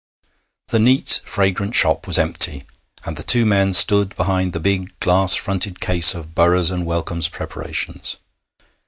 The neat, fragrant shop was empty, and the two men stood behind the big glass fronted case of Burroughs and Wellcome's preparations.